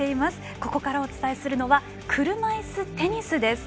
ここからお伝えするのは車いすテニスです。